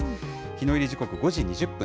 日の入り時刻５時２０分。